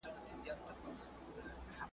دا تیارې به کله روڼي اوږدې شپې به مي سهار کې .